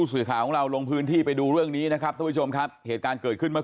ว่าจะมื้นมื้นแล้วทุกอย่างน่ะ